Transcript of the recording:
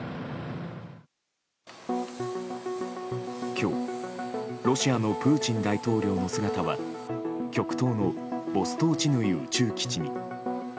今日、ロシアのプーチン大統領の姿は極東のボストーチヌイ宇宙基地に。